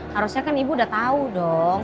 harusnya kan ibu udah tahu dong